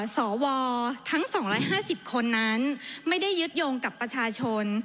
สวทั้ง๒๕๐คนนั้นไม่ได้ยึดโยงกับประชาชน